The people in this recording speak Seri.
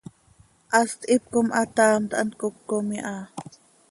Hast hipcom hataamt hant cocom iha.